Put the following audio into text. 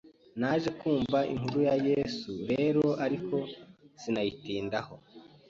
Naje kumva inkuru ya Yesu rero ariko sinayitindaho